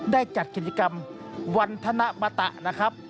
ได้จัดกิจกรรมวันธนปะตะ